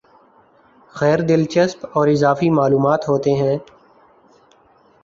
غیر دلچسپ اور اضافی معلوم ہوتے ہیں